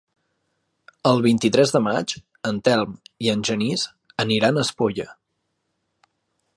El vint-i-tres de maig en Telm i en Genís aniran a Espolla.